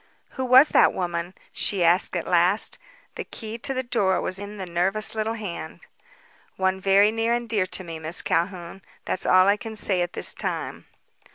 "Who was that woman?" she asked at last. The key to the door was in the nervous little hand. "One very near and dear to me. Miss Calhoun. That's all I can say at this time."